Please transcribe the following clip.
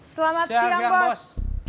selamat siang bos